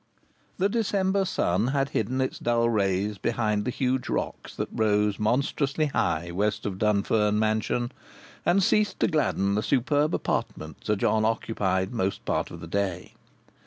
The December sun had hidden its dull rays behind the huge rocks that rose monstrously high west of Dunfern mansion, and ceased to gladden the superb apartment Sir John occupied most part of the day.